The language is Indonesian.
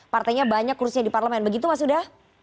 partainya banyak kursinya di parlemen begitu mas huda